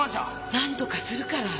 なんとかするから！